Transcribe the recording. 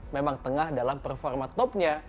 memang tengah dalam performa topnya